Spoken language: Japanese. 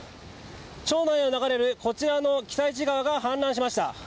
町内を流れるこちらの私都川が氾濫しました。